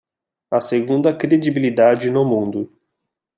A segunda credibilidade no mundo